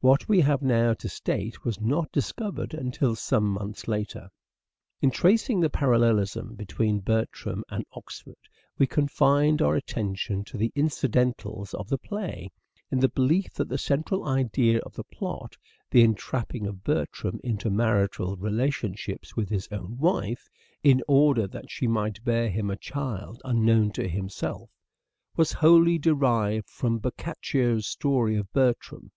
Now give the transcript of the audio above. What we have now to state was not discovered until some months later. In tracing the parallelism between Bertram and Oxford we confined our attention to the incidentals of the play, in the belief that the central idea of the plot — the entrapping of Bertram into marital relation ships with his own wife, in order that she might bear him a child unknown to himself — was wholly derived from Boccaccio's story of Bertram.